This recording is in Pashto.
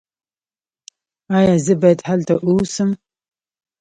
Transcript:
ایا زه باید هلته اوسم؟